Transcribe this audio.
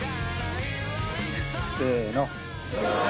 せの。